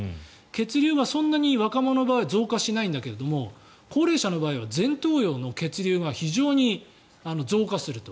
血流はそんなに若者の場合は増加しないんだけど高齢者の場合は、前頭葉の血流が非常に増加すると。